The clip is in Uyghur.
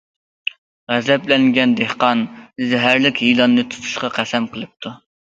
غەزەپلەنگەن دېھقان زەھەرلىك يىلاننى تۇتۇشقا قەسەم قىلىپتۇ.